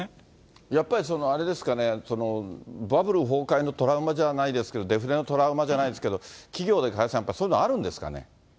やっぱりあれですかね、バブル崩壊のトラウマじゃないですけど、デフレのトラウマじゃないですけど、企業で加谷さん、やっぱりそういうのあるんですかね。